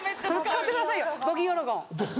使ってくださいよ「ボギー・オロゴン」。